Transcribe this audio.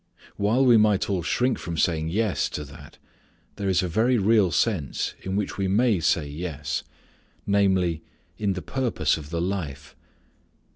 While we might all shrink from saying "yes" to that, there is a very real sense in which we may say "yes," namely, in the purpose of the life.